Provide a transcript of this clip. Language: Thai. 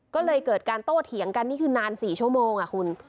ก็เลยเกิดการโต้เถียงกันนี่คือนาน๔ชั่วโมงคุณ